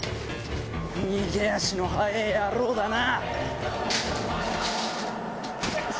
逃げ足の速えぇ野郎だな！